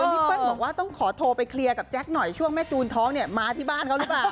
พี่เปิ้ลบอกว่าต้องขอโทรไปเคลียร์กับแจ๊คหน่อยช่วงแม่จูนท้องเนี่ยมาที่บ้านเขาหรือเปล่า